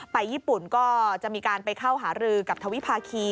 ญี่ปุ่นก็จะมีการไปเข้าหารือกับทวิภาคี